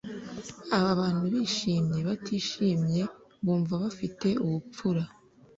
Aba bantu bishimye batishimye bumva bafite ubupfura